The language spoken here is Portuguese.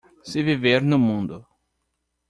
Se viver no mundo